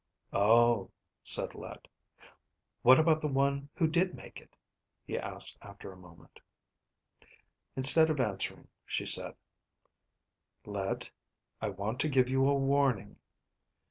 "Oh," said Let. "What about the one who did make it?" he asked after a moment. Instead of answering, she said, "Let, I want to give you a warning."